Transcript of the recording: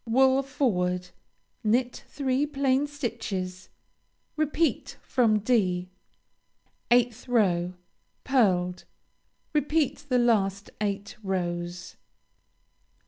Wool forward. Knit three plain stitches. Repeat from (d.) 8th row Pearled. Repeat the last eight rows.